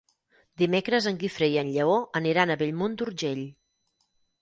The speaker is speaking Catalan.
Dimecres en Guifré i en Lleó aniran a Bellmunt d'Urgell.